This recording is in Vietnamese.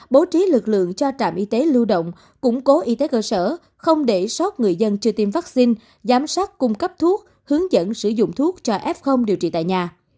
bố trí lực lượng cho trạm y tế lưu động củng cố y tế cơ sở không để sót người dân chưa tiêm vaccine giám sát cung cấp thuốc hướng dẫn sử dụng thuốc cho f điều trị tại nhà